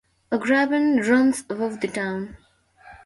A Graben runs above the town.